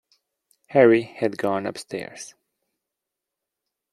Harry had gone upstairs.